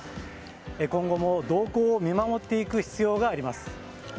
今後も動向を見守っていく必要があります。